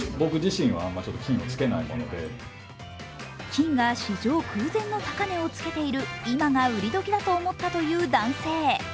金が史上空前の高値をつけている今が売り時だと思ったという男性。